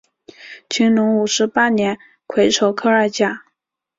乾隆五十八年癸丑科二甲。